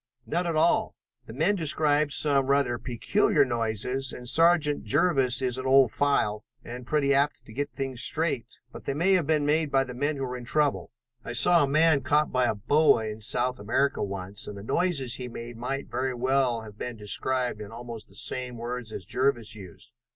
"None at all. The men describe some rather peculiar noises and Sergeant Jervis is an old file and pretty apt to get things straight, but they may have been made by the men who were in trouble. I saw a man caught by a boa in South America once, and the noises he made might very well have been described in almost the same words as Jervis used."